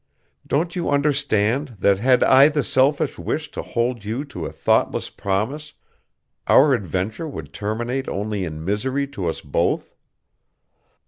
Don't you understand that had I the selfish wish to hold you to a thoughtless promise, our adventure would terminate only in misery to us both?